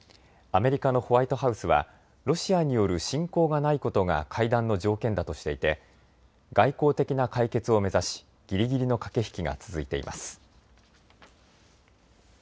アメリカのホワイトハウスはロシアによる侵攻がないことが会談の条件だとしていて外交的な解決を目指しぎりぎりの駆け引きが続いています。